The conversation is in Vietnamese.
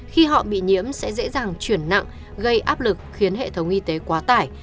khi họ bị nhiễm sẽ dễ dàng chuyển nặng gây áp lực khiến hệ thống y tế quá tải